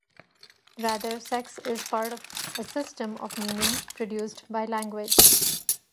Rather, sex is part of a system of meaning, produced by language.